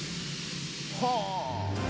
はあ！